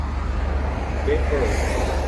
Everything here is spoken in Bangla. বের কোরো ওকে।